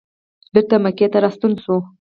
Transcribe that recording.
بېرته مکې ته راستون شو.